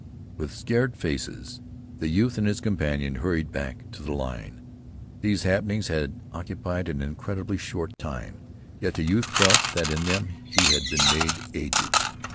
With scared faces, the youth and his companion hurried back to the line. These happenings had occupied an incredibly short time, yet the youth felt that in them he had been made aged.